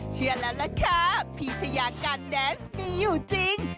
เชื่อแล้วล่ะค่ะพีชยาการแดนส์มีอยู่จริง